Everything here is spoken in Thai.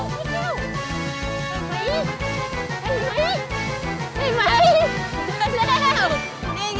อ๋อเจอแล้ว